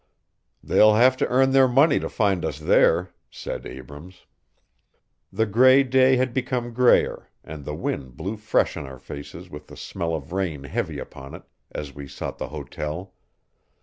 "They'll have to earn their money to find us there," said Abrams. The gray day had become grayer, and the wind blew fresh in our faces with the smell of rain heavy upon it, as we sought the hotel.